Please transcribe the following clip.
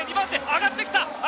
上がってきた！